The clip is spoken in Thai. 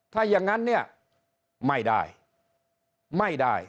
ถ้าอย่างนั้นเนี่ยไม่ได้ไม่ได้